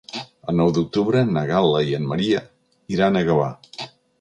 El nou d'octubre na Gal·la i en Maria iran a Gavà.